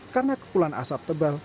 karena kepulan asap tebal